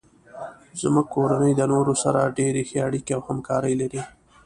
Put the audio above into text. زمونږ کورنۍ د نورو سره ډیرې ښې اړیکې او همکاري لري